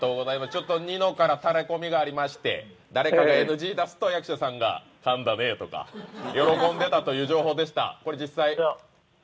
ニノからタレコミがありまして誰かがＮＧ出すと、「かんだね」とか喜んでたという情報でした、これ実際？